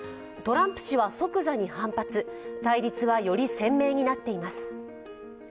トランプ氏は即座に反発、対立はより鮮明になっています。